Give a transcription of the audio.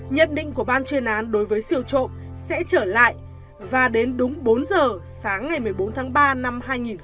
nhận định của ban chuyên án đối với siêu trộm sẽ trở lại và đến đúng bốn giờ sáng ngày một mươi bốn tháng ba năm hai nghìn hai mươi